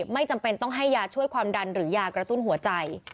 ไม่จำเป็นต้องให้ยาช่วยความดันหรือยากระตุ้นหัวใจ